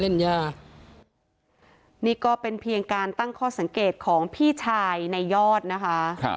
นี่ก็เป็นเพียงการตั้งข้อสังเกตของพี่ชายในยอดนะคะ